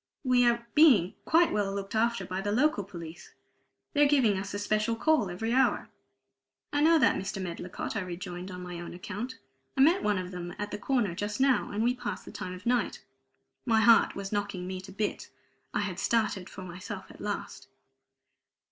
"We are being quite well looked after by the local police; they're giving us a special call every hour." "I know that, Mr. Medlicott," I rejoined on my own account. "I met one of them at the corner just now, and we passed the time of night." My heart was knocking me to bits. I had started for myself at last.